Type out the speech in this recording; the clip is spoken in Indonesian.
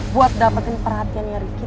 buat dapetin perhatiannya ritky